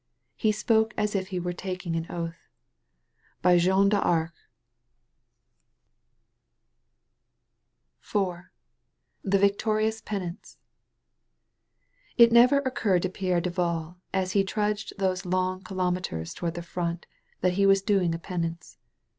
He spoke as if he were taking an oath. "By Jeanne d*Arc!" 131 THE VALLEY OP VISION IV THE VICTOBIOUB PENANCE It never occurred to Pierre Duval, as he trudged those long kilometres toward the front, that he was dung a penance.